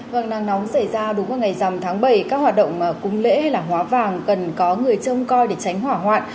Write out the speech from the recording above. vâng nắng nóng xảy ra đúng vào ngày dằm tháng bảy các hoạt động cúng lễ hay là hóa vàng cần có người trông coi để tránh hỏa hoạn